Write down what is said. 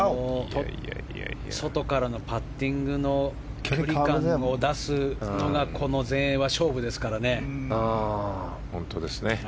外からのパッティングの距離感を出すのがこの全英は勝負ですからね。